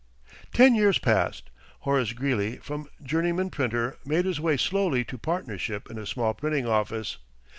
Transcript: Ten years passed. Horace Greeley from journeyman printer made his way slowly to partnership in a small printing office.